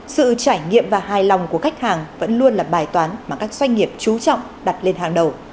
sự trải nghiệm và hài lòng của khách hàng vẫn luôn là bài toán mà các doanh nghiệp trú trọng đặt lên hàng đầu